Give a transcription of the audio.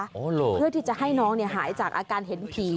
เหรอเพื่อที่จะให้น้องเนี่ยหายจากอาการเห็นผี